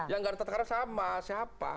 ya gak ada tata kerama sama siapa